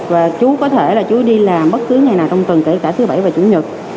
và chú có thể đi làm bất cứ ngày nào trong tuần kể cả thứ bảy và chủ nhật